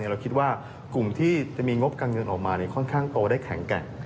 เราคิดว่ากลุ่มที่จะมีงบการเงินออกมาค่อนข้างโตได้แข็งแกร่ง